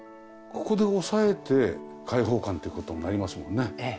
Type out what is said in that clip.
ここで抑えて開放感って事になりますもんね。